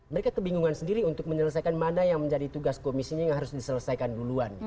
mereka kebingungan sendiri untuk menyelesaikan mana yang menjadi tugas komisinya yang harus diselesaikan duluan